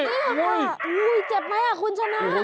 นี่แหละค่ะอุ้ยเจ็บมั้ยคุณชนะ